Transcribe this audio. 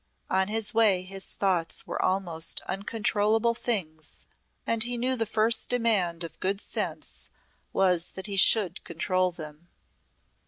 On his way his thoughts were almost uncontrollable things and he knew the first demand of good sense was that he should control them.